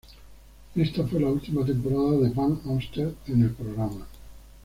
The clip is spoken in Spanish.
Esta fue la ultima temporada de Van Amstel en el programa.